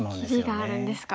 切りがあるんですか。